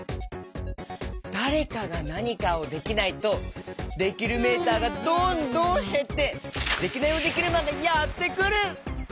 だれかがなにかをできないとできるメーターがどんどんへってデキナイヲデキルマンがやってくる！